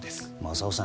浅尾さん。